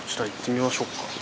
行ってみましょうか。